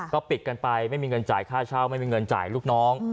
ก็ปิดกันไปไม่มีเงินจ่ายค่าเช่าไม่มีเงินจ่ายลูกน้อง